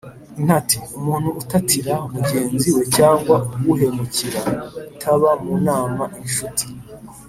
intati: umuntu utatira mugenzi we cyangwa uhemukira, utaba mu nama inshuti